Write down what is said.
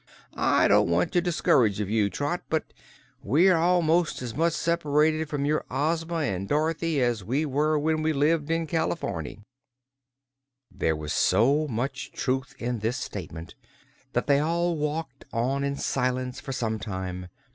I don't want to discourage of you, Trot, but we're a'most as much separated from your Ozma an' Dorothy as we were when we lived in Californy." There was so much truth in this statement that they all walked on in silence for some time.